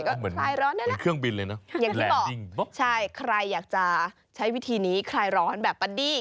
ก็คลายร้อนได้แล้วนะอย่างที่บอกใช่ใครอยากจะใช้วิธีนี้คลายร้อนแบบปัดดี้